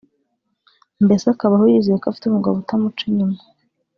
mbese akabaho yizeye neza ko afite umugabo utamuca inyuma